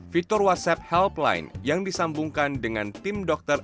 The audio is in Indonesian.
fitur whatsapp helpline yang disambungkan dengan tim dokter